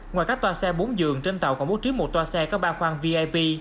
ngoài các toa xe bốn giường trên tàu còn bố trí một toa xe có ba khoang vip